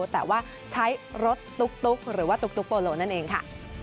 แต่ว่าใช้รถตุ๊กหรือว่าตุ๊กโปโลนั่นเองค่ะ